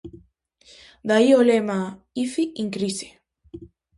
De aí o lema "Ifi en crise".